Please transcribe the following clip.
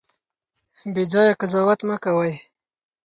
بې ځایه قضاوت مه کوئ.